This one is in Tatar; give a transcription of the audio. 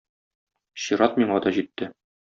Чират миңа да җитте.